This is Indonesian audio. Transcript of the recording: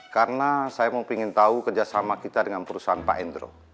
karena saya mau pingin tahu kerjasama kita dengan perusahaan pak endro